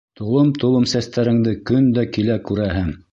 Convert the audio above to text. Толом-толом сәстәреңде көн дә килә күрәһем...